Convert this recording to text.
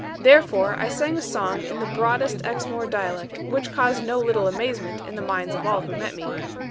Therefore I sang a song in the broadest Exmoor dialect, which caused no little amazement in the minds of all who met me.